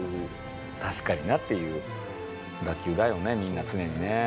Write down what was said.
確かになっていう打球だよね、みんな常にね。